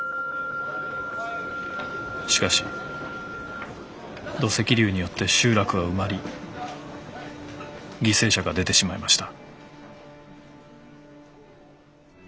しかし土石流によって集落は埋まり犠牲者が出てしまいました。